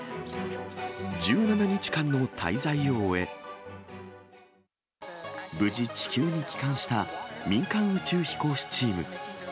１７日間の滞在を終え、無事、地球に帰還した民間宇宙飛行士チーム。